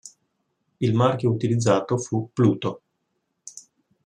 Il marchio utilizzato fu "Pluto".